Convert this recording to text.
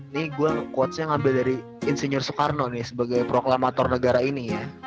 nih gue quotesnya ngambil dari insinyur soekarno nih sebagai proklamator negara ini ya